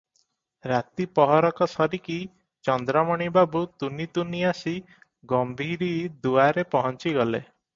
ରାତି ପହରକ ସରିକି ଚନ୍ଦ୍ରମଣି ବାବୁ ତୁନି ତୁନି ଆସି ଗମ୍ଭୀରି ଦୁଆରେ ପହଞ୍ଚି ଗଲେ ।